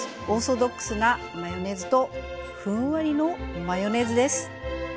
オーソドックスなマヨネーズとふんわりのマヨネーズです。